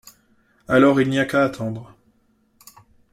Alors, il n’y a qu’à attendre...